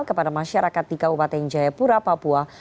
kepada masyarakat di kabupaten jayapura papua